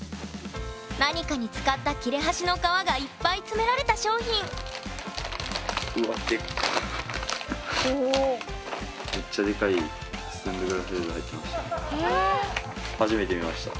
何かに使った切れ端の革がいっぱい詰められた商品入ってました。